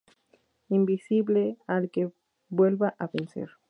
Invincible, al que vuelve a vencer.